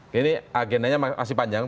jadi agenanya masih panjang